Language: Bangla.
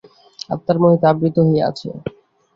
আত্মার মহিমা আবৃত হইয়া আছে।